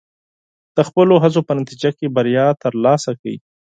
د خپلو هڅو په نتیجه کې بریا ترلاسه کړئ.